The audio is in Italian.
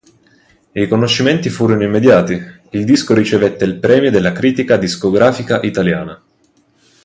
I riconoscimenti furono immediati: il disco ricevette il Premio della Critica Discografica italiana.